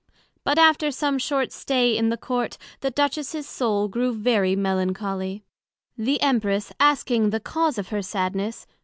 But after some short stay in the Court, the Duchess's soul grew very Melancholy; the Empress asking the cause of her sadness?